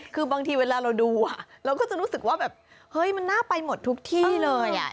คือบางทีเวลาเราดูแล้วก็จะรู้สึกว่ามันน่าไปหมดทุกที่เลย